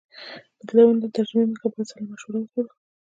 د کتابونو له ترجمې مخکې باید سلا مشوره وغواړو.